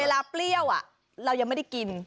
เวลาเปรี้ยวอะเรายังไม่ได้กิน